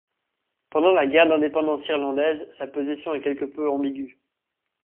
Pendant la guerre d'indépendance irlandaise, sa position est quelque peu ambiguë.